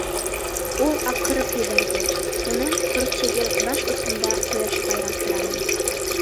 Ул аҡырып ебәрҙе, уның кортигы баш осомда ҡояшҡа ялтыраны.